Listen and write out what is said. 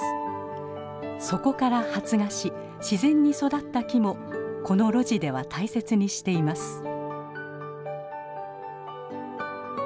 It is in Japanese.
そこから発芽し自然に育った木もこの露地では大切にしています。